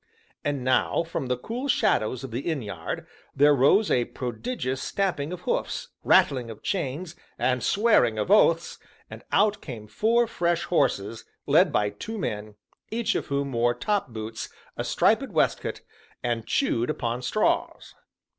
And now, from the cool shadows of the inn yard, there rose a prodigious stamping of hoofs, rattling of chains, and swearing of oaths, and out came four fresh horses, led by two men, each of whom wore topboots, a striped waistcoat, and chewed upon straws.